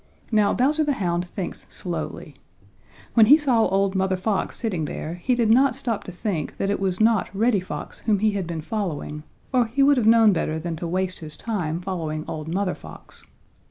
Now Bowser the Hound thinks slowly. When he saw old Mother Fox sitting there, he did not stop to think that it was not Reddy Fox whom he had been following, or he would have known better than to waste his time following old Mother Fox.